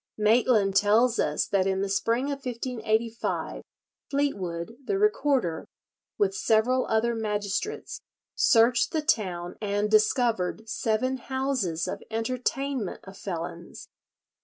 Maitland tells us that in the spring of 1585, Fleetwood, the recorder, with several other magistrates searched the town and discovered seven houses of entertainment of felons.